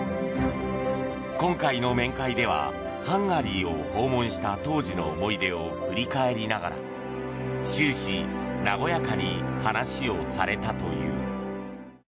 今回の面会ではハンガリーを訪問した当時の思い出を振り返りながら終始、和やかに話をされたという。